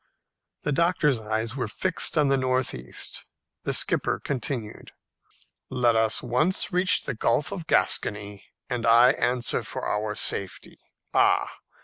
The doctor's eyes were fixed on the north east. The skipper continued, "Let us once reach the Gulf of Gascony, and I answer for our safety. Ah!